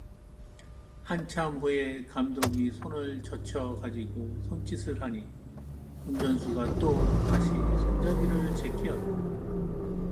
한참 후에 감독이 손을 젖혀 가지고 손짓을 하니 운전수가 또다시 손잡이를 제끼었다.